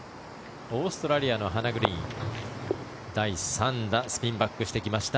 オーストラリアのハナ・グリーン第３打スピンバックしてきました。